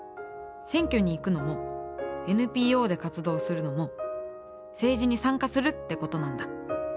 選挙に行くのもＮＰＯで活動するのも政治に参加するってことなんだ。